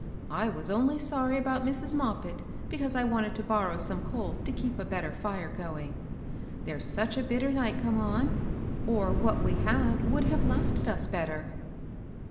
I was only sorry about Mrs. Moppit because I wanted to borrow Bome coal to keep a better fire going. There's such a bitter night come on, or what we had would have lasted us better."